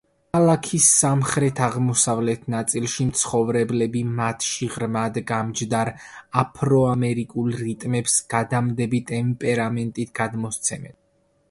ქალაქის სამხრეთ-აღმოსავლეთ ნაწილში მცხოვრებლები მათში ღრმად გამჯდარ აფრო-ამერიკულ რიტმებს გადამდები ტემპერამენტით გადმოსცემენ.